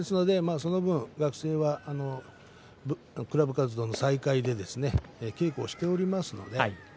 その分、学生はクラブ活動の再開で稽古しておりますからね。